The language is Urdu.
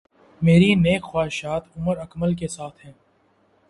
میری نیک خواہشات عمر اکمل کے ساتھ ہیں